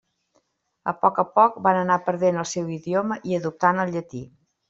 A poc a poc van anar perdent el seu idioma i adoptant el llatí.